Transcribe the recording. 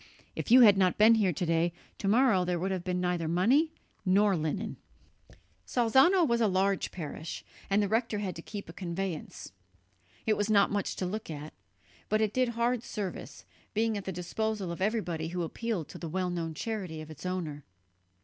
"If you had not been here to day, to morrow there would have been neither money nor linen!" Salzano was a large parish, and the rector had to keep a conveyance. It was not much to look at, but it did hard service, being at the disposal of everybody who appealed to the well known charity of its owner.